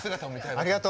ありがとう。